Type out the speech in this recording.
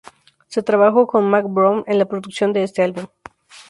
Se trabajo con Mack Brown, en la producción de este álbum.